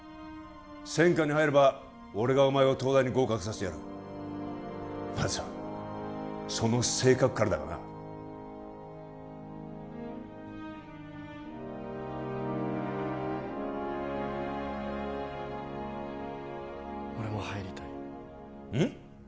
専科に入れば俺がお前を東大に合格させてやるまずはその性格からだがな俺も入りたいうん？